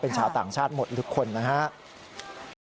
เป็นชาวต่างชาติหมดทุกคนนะครับ